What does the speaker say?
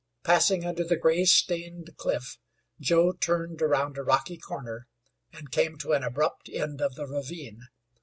Passing under the gray, stained cliff, Joe turned around a rocky corner, and came to an abrupt end of the ravine.